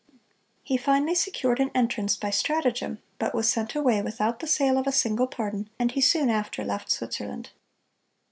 He finally secured an entrance by stratagem, but was sent away without the sale of a single pardon, and he soon after left Switzerland.